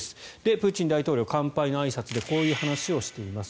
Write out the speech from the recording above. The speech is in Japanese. プーチン大統領乾杯のあいさつでこういう話をしています。